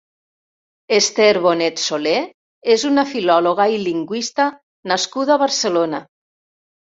Ester Bonet Solé és una filòloga i lingüista nascuda a Barcelona.